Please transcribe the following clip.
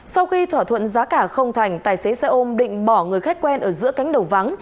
sau khi thỏa thuận giá cả không thành tài xế xe ôm định bỏ người khách quen ở giữa cánh đầu vắng